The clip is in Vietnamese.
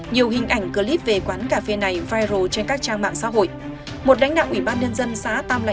nhiều hình ảnh clip về quán cà phê này viral trên các trang mạng xã hội